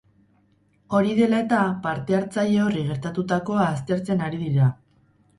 Hori dela eta, parte-hartzaile horri gertatutakoa aztertzen ari dira.